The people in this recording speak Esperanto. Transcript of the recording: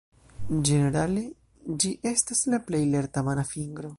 Ĝenerale ĝi estas la plej lerta mana fingro.